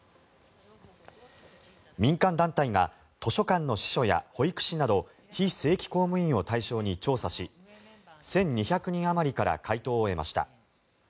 民間団体が図書館の司書や保育士など非正規公務員を対象に調査し１２００人あまりから回答を得ました。